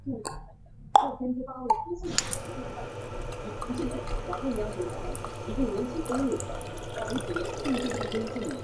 其后湖州郡丞汪泰亨所建。